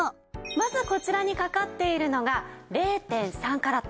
まずこちらにかかっているのが０．３カラット。